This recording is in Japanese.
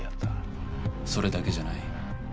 それだけじゃない。